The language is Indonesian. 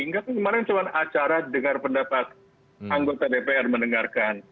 ingat kemarin cuma acara dengar pendapat anggota dpr mendengarkan